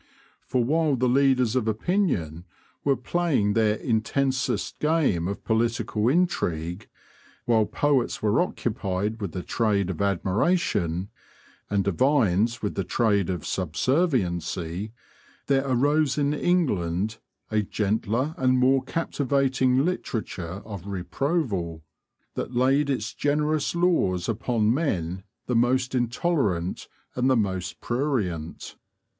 For while the leaders of opinion were playing their intensest game of political intrigue, while poets were occupied with the trade of admiration, and divines with the trade of subserviency, there arose in England a gentler and more captivating literature of reproval, that laid its generous laws upon men the most intolerant and the most prurient.